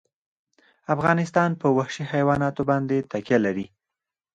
افغانستان په وحشي حیوانات باندې تکیه لري.